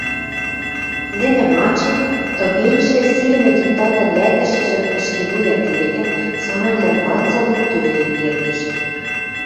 Нӹнӹм анжен, тыменьшӹ сирӹмӹ диктантын лӓктӹшӹжӹм ӹшке вуя терген, самыньвлӓм ланзылен, тӧрлен кердеш.